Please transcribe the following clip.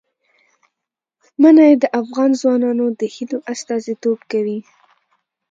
منی د افغان ځوانانو د هیلو استازیتوب کوي.